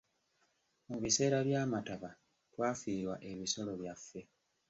Mu biseera by'amataba, twafiirwa ebisolo byaffe.